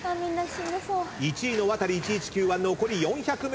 １位のワタリ１１９は残り４００ｍです。